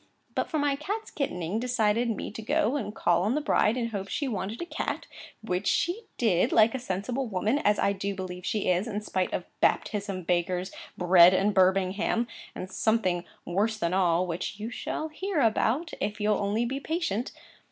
For my cat's kittening decided me to go and call on the bride, in hopes she wanted a cat; which she did like a sensible woman, as I do believe she is, in spite of Baptism, Bakers, Bread, and Birmingham, and something worse than all, which you shall hear about, if you'll only be patient.